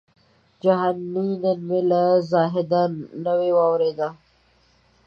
جهاني نن مي له زاهده نوې واورېدله